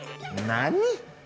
何？